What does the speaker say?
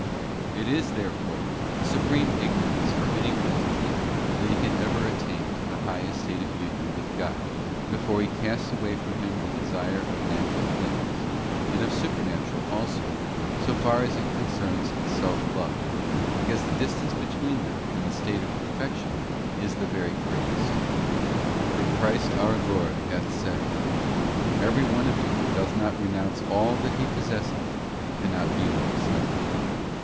* It is, therefore, supreme ignorance for any one to think that he can ever attain to the high estate of union with * Solilog. c. ii. Opp. Ed, Ben. tom, vi. App. p. 86. ' 'Nel 4 THE EVANGELICAL LAW OF RENUNCIATION. 19 God before he casts away from him the desire of natural things, and of supernatural also, so far as it concerns self love, because the distance between them and the state of per fection is the very greatest. For Christ our Lord hath said, 'Every one of you that doth not renounce all that he pos sesseth, cannot be My disciple.